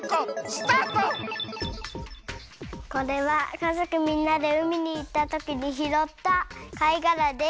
これはかぞくみんなでうみにいったときにひろったかいがらです。